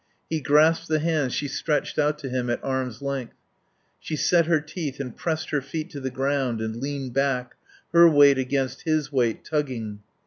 He grasped the hands she stretched out to him at arms' length. She set her teeth and pressed her feet to the ground, and leaned back, her weight against his weight, tugging.